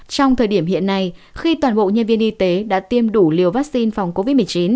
trong thời điểm hiện nay khi toàn bộ nhân viên y tế đã tiêm đủ liều vaccine phòng covid một mươi chín